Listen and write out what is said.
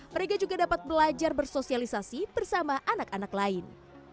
mereka juga dapat belajar bersosialisasi bersama anak anak lain